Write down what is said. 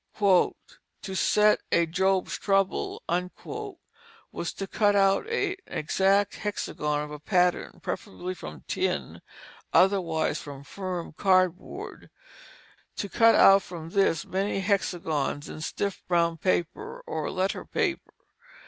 "To set a Job's Trouble," was to cut out an exact hexagon for a pattern (preferably from tin, otherwise from firm cardboard); to cut out from this many hexagons in stiff brown paper or letter paper.